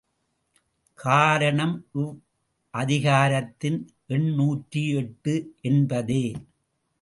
காரணம் இவ்வதிகாரத்தின் எண் நூற்றி எட்டு என்பதே.